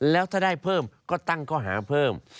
แล้วถ้าได้เพิ่มก็ตั้งข้อหาเพิ่ม